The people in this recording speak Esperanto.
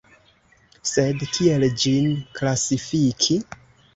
Sed kiel ĝin klasifiki?